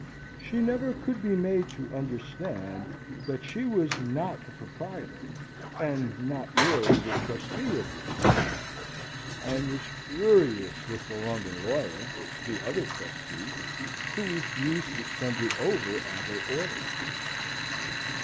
She never could be made to understand that she was not the proprietor, and not merely the trustee of this money; and was furious with the London lawyer, the other trustee, who refused to send it over at her order.